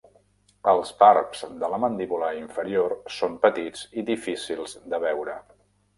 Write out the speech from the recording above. Els barbs de la mandíbula inferior són petits i difícils de veure.